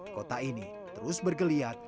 kota ini terus bergeliat